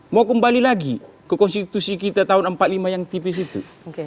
mau kembali lagi ke konstitusi kita tahun empat puluh lima yang tipis itu